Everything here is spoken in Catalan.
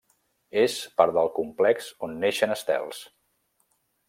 És part del complex on neixen estels.